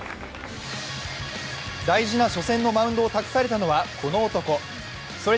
大事な初戦のマウンドを託されたのは、この男。